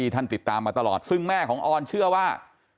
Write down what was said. ติดตามมาตลอดซึ่งแม่ของออนเชื่อว่า